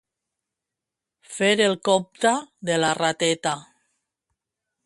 Fer el compte de la rateta.